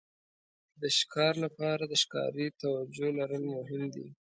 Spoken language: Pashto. د ښکار لپاره د ښکاري توجو لرل مهم دي.